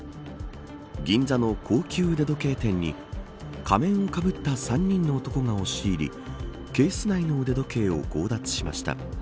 銀座の高級腕時計店に仮面をかぶった３人の男が押し入りケース内の腕時計を強奪しました。